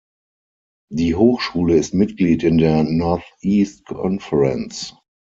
Die Hochschule ist Mitglied in der Northeast Conference.